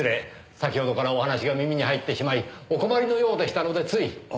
先ほどからお話が耳に入ってしまいお困りのようでしたのでつい。